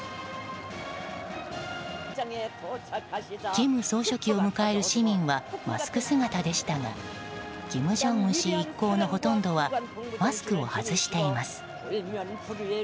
金総書記を迎える市民はマスク姿でしたが金正恩氏一行のほとんどはマスクを外しています。